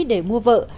để mua vợ